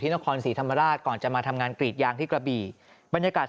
นครศรีธรรมราชก่อนจะมาทำงานกรีดยางที่กระบี่บรรยากาศ